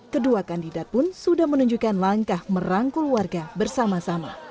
kedua kandidat pun sudah menunjukkan langkah merangkul warga bersama sama